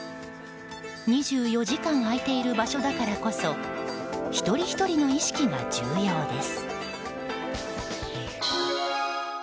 ２４時間、開いている場所だからこそ一人ひとりの意識が重要です。